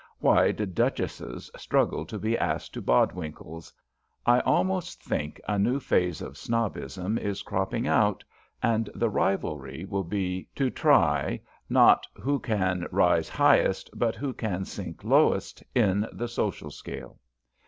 Why did Duchesses struggle to be asked to Bodwinkle's? I almost think a new phase of snobbism is cropping out, and the rivalry will be to try, not who can rise highest, but who can sink lowest, in the social scale.